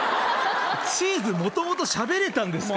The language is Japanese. チーズもともと喋れたんですか？